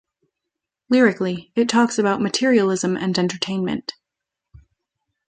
Lyrically, it talks about materialism and entertainment.